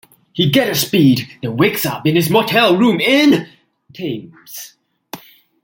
He gathers speed, then wakes up in his motel room in Thames.